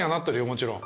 もちろん。